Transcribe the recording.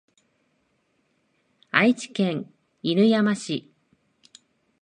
愛知県犬山市